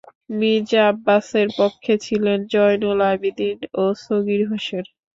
মির্জা আব্বাসের পক্ষে ছিলেন জয়নুল আবেদীন ও সগীর হোসেন।